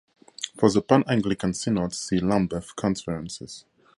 For the Pan-Anglican Synods see Lambeth Conferences.